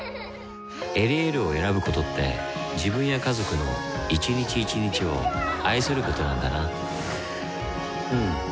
「エリエール」を選ぶことって自分や家族の一日一日を愛することなんだなうん。